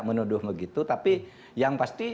mudah bagi saya